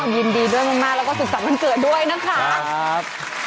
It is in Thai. ยินดีด้วยมากแล้วก็สุขสรรควันเกิดด้วยนะคะ